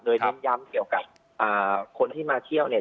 โดยเน้นย้ำเกี่ยวกับคนที่มาเที่ยวเนี่ย